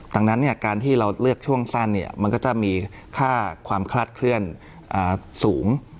ดังนั้นการที่เราเลือกช่วงสั้นมันก็จะมีค่าความคลาดเคลื่อนสูง